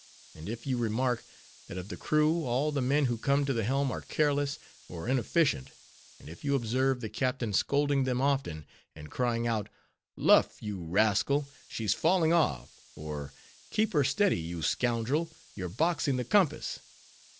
And if you remark, that of the crew, all the men who come to the helm are careless, or inefficient; and if you observe the captain scolding them often, and crying out: "Luff, you rascal; she's falling off!" or, _"Keep her steady, you scoundrel, you're boxing the compass!"